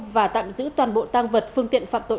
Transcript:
và tạm giữ toàn bộ tăng vật phương tiện phạm tội